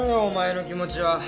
お前の気持ちは。